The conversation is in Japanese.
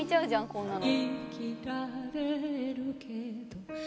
こんなの。